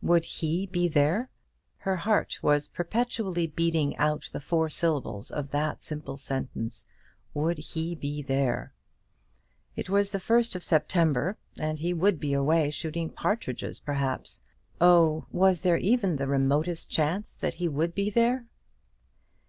Would he be there? Her heart was perpetually beating out the four syllables of that simple sentence: Would he be there? It was the 1st of September, and he would be away shooting partridges, perhaps. Oh, was there even the remotest chance that he would be there?